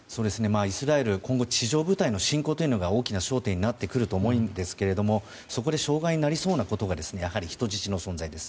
イスラエル、今後地上部隊の侵攻が大きな焦点になってくると思いますがそこで障害になりそうなのが人質の存在です。